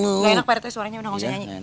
gak enak pak reto suaranya enak gak usah nyanyi